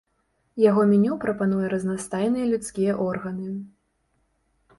Яго меню прапануе разнастайныя людскія органы.